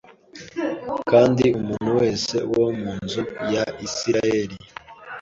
Kandi umuntu wese wo mu nzu ya Isirayeli